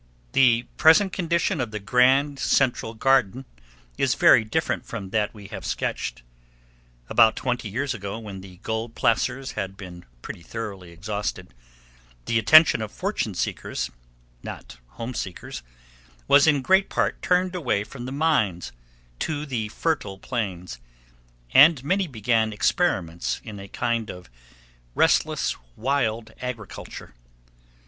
The present condition of the Grand Central Garden is very different from that we have sketched. About twenty years ago, when the gold placers had been pretty thoroughly exhausted, the attention of fortune seekers—not home seekers—was, in great part, turned away from the mines to the fertile plains, and many began experiments in a kind of restless, wild agriculture.